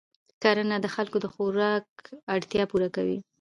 کرنه د خلکو د خوراک اړتیا پوره کوي